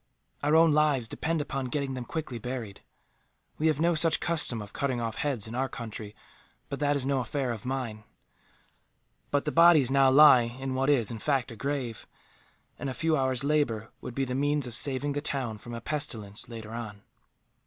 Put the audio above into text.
Our own lives depend upon getting them quickly buried. We have no such custom of cutting off heads, in our country, but that is no affair of mine. But the bodies now lie in what is, in fact, a grave; and a few hours' labour would be the means of saving the town from a pestilence, later on.